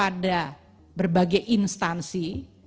yang dikirimkan ppatk kepada berbagai instansi